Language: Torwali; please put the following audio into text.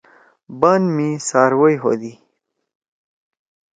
بان می څاروئی ہودی۔